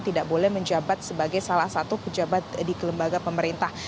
tidak boleh menjabat sebagai salah satu pejabat di kelembaga pemerintah